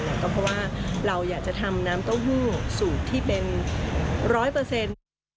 ก็เพราะว่าเราอยากจะทำน้ำเต้าหู้สูตรที่เป็น๑๐๐